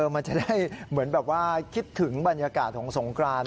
มันจะได้เหมือนแบบว่าคิดถึงบรรยากาศของสงคราน